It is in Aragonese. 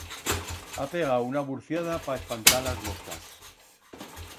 Ha pegau una burciada pa espantar las moscas.